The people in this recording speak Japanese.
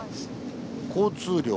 交通量